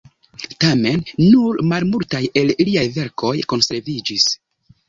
Tamen nur malmultaj el liaj verkoj konserviĝis.